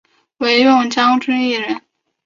惟用将军一人。